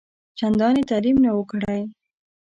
چنداني تعلیم نه وو کړی.